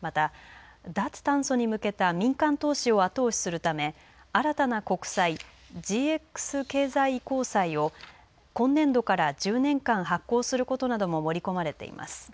また脱炭素に向けた民間投資を後押しするため新たな国債、ＧＸ経済移行債を今年度から１０年間発行することなども盛り込まれています。